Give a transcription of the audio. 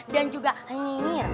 dan juga nginir